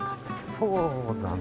そうだね。